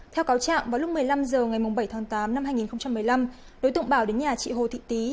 theo cáo trạng vào lúc một mươi năm h ngày bảy tháng tám năm hai nghìn một mươi năm đối tượng bảo đến nhà chị hồ thị tý